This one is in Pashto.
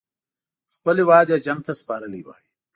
خپل هیواد یې جنګ ته سپارلی وای.